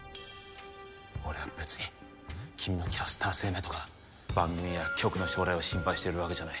俺はべつに君のキャスター生命とか番組や局の将来を心配しているわけじゃない。